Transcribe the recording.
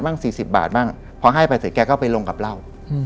พอให้ไปถึงบ้างแกก็ไปลงกับเหล้า